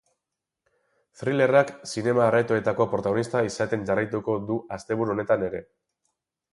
Thrillerrak zinema-aretoetako protagonista izaten jarraituko du asteburu honetan ere.